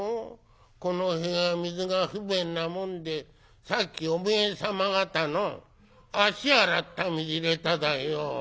この部屋水が不便なもんでさっきおめえ様方の足洗った水入れただよ」。